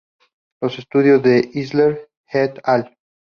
Los estudios de Isler "et al".